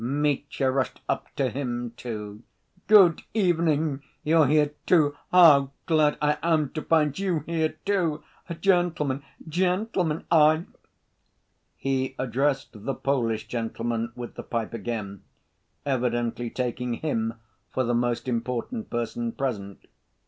Mitya rushed up to him, too. "Good evening. You're here, too! How glad I am to find you here, too! Gentlemen, gentlemen, I—" (He addressed the Polish gentleman with the pipe again, evidently taking him for the most important person present.)